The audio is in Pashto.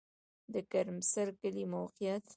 د ګرمسر کلی موقعیت